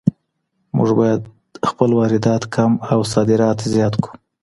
مونږ بايد خپل واردات کم او صادرات زيات کړو.